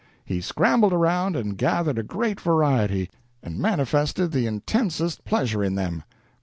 He scrambled around and gathered a great variety, and manifested the intensest pleasure in them